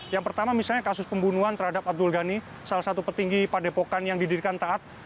yang pertama misalnya kasus pembunuhan terhadap abdul ghani salah satu petinggi padepokan yang didirikan taat